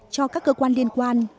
cho các cơ quan liên quan